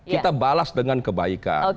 kita balas dengan kebaikan